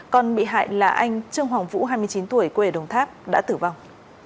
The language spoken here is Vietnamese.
còn bị hại là anh trương hoàng vũ hai mươi chín tuổi quê ở đồng tháp đã tử vong